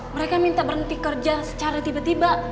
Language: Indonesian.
mereka minta berhenti kerja secara tiba tiba